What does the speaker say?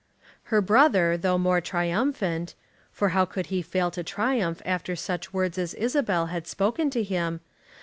Her brother, though more triumphant, for how could he fail to triumph after such words as Isabel had spoken to him?